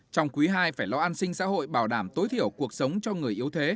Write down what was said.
trong quý ii phải lo an sinh xã hội bảo đảm tối thiểu cuộc sống cho người yếu thế